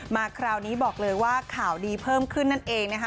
มาคราวนี้บอกเลยว่าข่าวดีเพิ่มขึ้นนั่นเองนะคะ